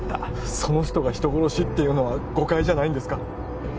その人が人殺しっていうのは誤解じゃないんですか？